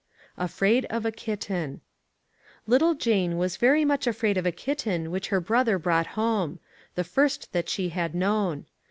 Afraid of a Kitten. Little Jane was very much afraid of a kitten which her brother brought home the first that she had known.